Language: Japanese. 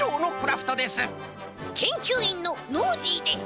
けんきゅういんのノージーです。